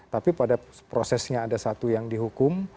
tapi pada prosesnya ada satu yang dihukum